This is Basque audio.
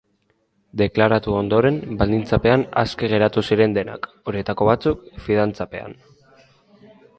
Deklaratu ondoren, baldintzapean aske geratu ziren denak, horietako batzuk, fidantzapean.